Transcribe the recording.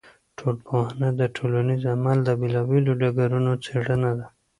ټولنپوهنه د ټولنیز عمل د بېلا بېلو ډګرونو څېړنه ده.